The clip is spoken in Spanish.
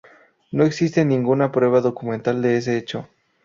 No existe ninguna prueba documental de ese hecho.